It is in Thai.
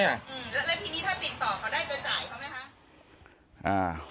แล้วแล้วทีนี้ถ้าติดต่อเขาได้จะจ่ายเขาไหมคะอ่า